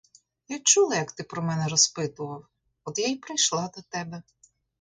Я чула, як ти про мене розпитував, от я й прийшла до тебе.